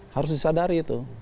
harus disadari itu